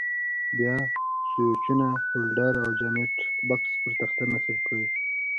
بیا سویچونه، هولډر او جاینټ بکس پر تخته نصب کړئ.